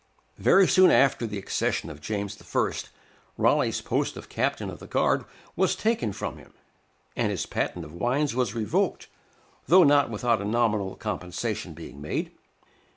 Very soon after the accession of James I., Raleigh's post of captain of the guard was taken from him; and his patent of wines was revoked, though not without a nominal compensation being made.